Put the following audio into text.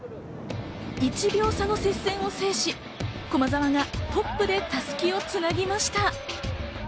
１秒差の接戦を制し、駒澤がトップで襷をつなぎました。